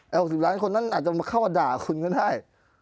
เอา๖๐ล้านคนนั้นอาจจะมาเข้ามาด่าคุณก็ได้